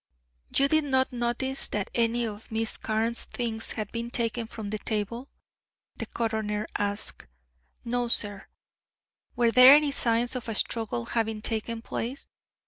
"You did not notice that any of Miss Carne's things had been taken from the table?" the coroner asked. "No, sir." "Were there any signs of a struggle having taken place?"